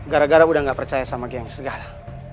gara gara udah gak percaya sama geng segala